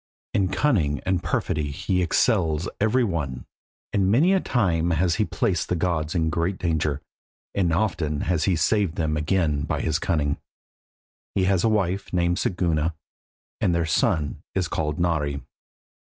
In cunning and perfidy he excels every one, and many a time has he placed the gods in great danger, and often has he saved them again by his cunning. He has a wife named Siguna, and their son is called Nari.